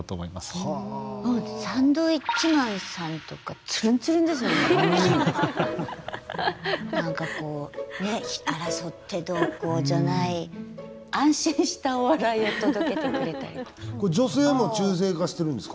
サンドウィッチマンさんとか何かこうね争ってどうこうじゃない安心したお笑いを届けてくれたりとか。